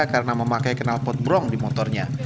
karena memakai kenalpot bronk di motornya